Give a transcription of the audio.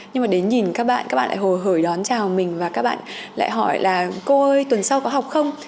nhưng mà đến nhìn các bạn các bạn lại hồi hởi đón chào mình và các bạn lại hỏi là cô ơi tuần sau có học không